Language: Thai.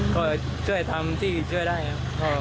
ก็ช่วยทำที่ช่วยได้ครับ